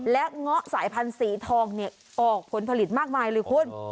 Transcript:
และเงาะสายพันธุ์สีทองออกผลผลิตมากมายเลยคุณ